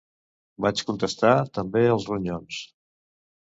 Vaig contestar "també els ronyons".